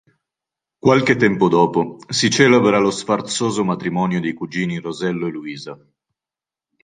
Qualche tempo dopo, si celebra lo sfarzoso matrimonio dei cugini Rosello e Luisa.